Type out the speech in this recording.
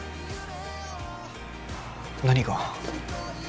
何が？